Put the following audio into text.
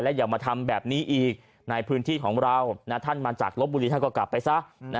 อย่ามาทำแบบนี้อีกในพื้นที่ของเราท่านมาจากลบบุรีท่านก็กลับไปซะ